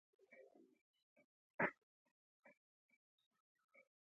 دې به ځینې وختونه په خبرو خبرو کې راته ویل.